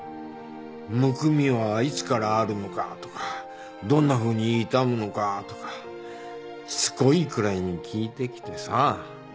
むくみはいつからあるのかとかどんなふうに痛むのかとかしつこいくらいに聞いてきてさ。